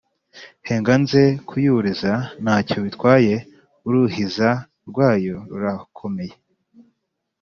henga njye kuyuriza, ntacyo bitwaye uruhiza rwayo rurakomeye,